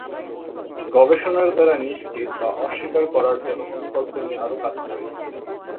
গবেষণার দ্বারা নিশ্চিত বা অস্বীকার করার জন্য অনুকল্প নিয়ে আরও কাজ প্রয়োজন।